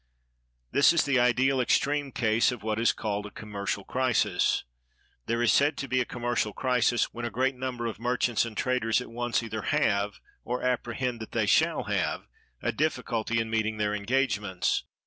This is the ideal extreme case of what is called a commercial crisis. There is said to be a commercial crisis when a great number of merchants and traders at once either have, or apprehend that they shall have, a difficulty in meeting their engagements.